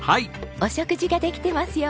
お食事ができてますよ。